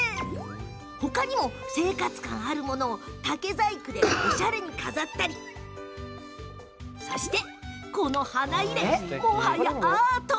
他にも生活感のあるものを竹細工でおしゃれに飾ったりこの花入れはもはやアート。